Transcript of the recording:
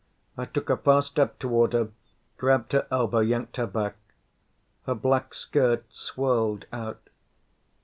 I took a fast step toward her, grabbed her elbow, yanked her back. Her black skirt swirled out.